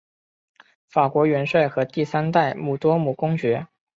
法国元帅和第三代旺多姆公爵。